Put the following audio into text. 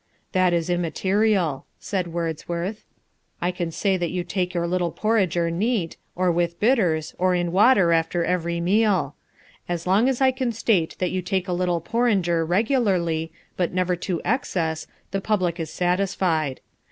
"That is immaterial," said Wordsworth. "I can say that you take your little porringer neat, or with bitters, or in water after every meal. As long as I can state that you take a little porringer regularly, but never to excess, the public is satisfied.